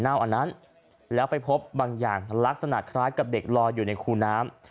อันนั้นแล้วไปพบบางอย่างลักษณะคล้ายกับเด็กลอยอยู่ในคูน้ำ